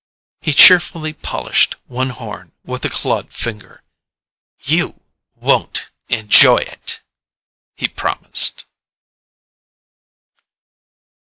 He cheerfully polished one horn with a clawed finger. "You won't enjoy it!" he promised.